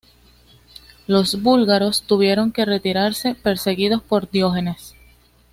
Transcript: Los búlgaros tuvieron que retirarse perseguidos por Diógenes.